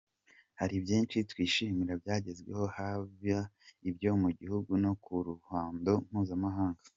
Hari byinshi twishimira byagezweho haba ibyo mu gihugu no ku ruhando mpuzamahanga.